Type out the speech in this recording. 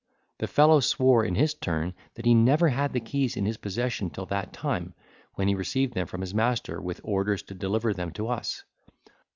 The fellow swore in his turn, that he never had the keys in his possession till that time, when he received them from his master with orders to deliver them to us.